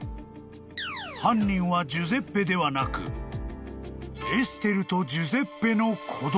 ［犯人はジュゼッペではなくエステルとジュゼッペの子供！？］